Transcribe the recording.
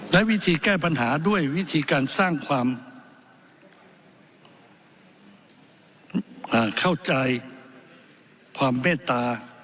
และวิธีแก้ปัญหาด้วยวิธีการสร้างความเข้าใจความเมตตา